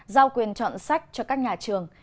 giao quyền chọn sách cho các nhà trường